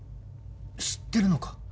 知ってるのか？